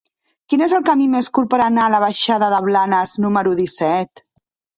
Quin és el camí més curt per anar a la baixada de Blanes número disset?